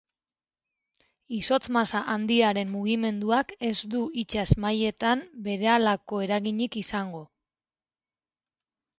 Izotz-masa handiaren mugimenduak ez du itsas mailetan berehalako eraginik izango.